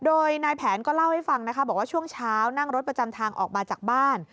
โดยนายแผนก็เล่าให้ฟังนะคะบอกว่าช่วงเช้านั่งรถประจำทางออกมาจากบ้าน